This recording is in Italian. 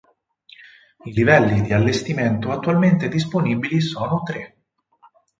I livelli di allestimento attualmente disponibili sono tre.